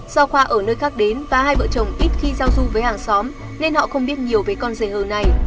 do khoa ở nơi khác đến và hai vợ chồng ít khi giao du với hàng xóm nên họ không biết nhiều về con giày hờ này